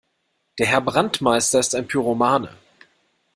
Der Herr Brandmeister ist ein Pyromane.